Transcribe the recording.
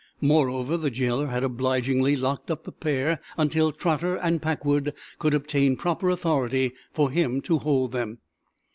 Moreover, the jailer had obligingly locked up the pair until Trotter and Packwood could obtain proper authority for him to hold them.